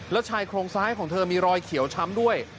แล้วชายโครงซ้ายของเธอมีรอยเขียวช้ำด้วย